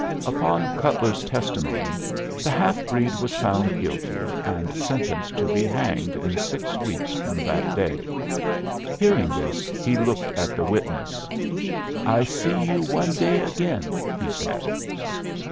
Upon Cutler's testimony the half breed was found guilty, and sentenced to be hanged in six weeks from that day. Hearing this, he looked at the witness. "I see you one day agin," he said.